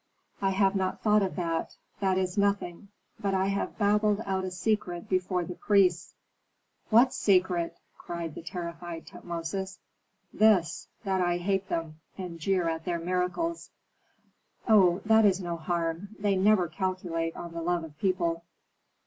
"I have not thought of that, that is nothing; but I have babbled out a secret before the priests." "What secret?" cried the terrified Tutmosis. "This, that I hate them, and jeer at their miracles." "Oh, that is no harm. They never calculate on the love of people."